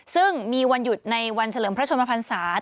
ซึ่งมีวันหยุดในวันเฉลิมพระชนมพันศาส